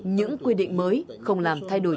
những quy định mới không làm thay đổi